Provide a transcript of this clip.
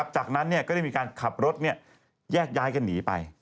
จากนั้นก็ได้มีการขับรถแยกย้ายกันหนีไป